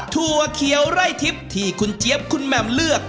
ถั่วเขียวไร่ทิพย์ที่คุณเจี๊ยบคุณแหม่มเลือก